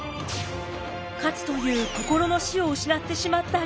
勝という心の師を失ってしまった龍馬。